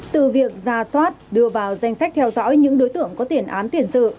từ việc ra soát đưa vào danh sách theo dõi những đối tượng có tiền án tiền sự